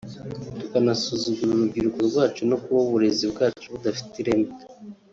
tukanasuzugura urubyiruko rwacu no kuba uburezi bwacu budafite ireme